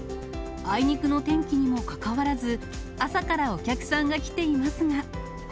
あいにくの天気にもかかわらず、朝からお客さんが来ていますが。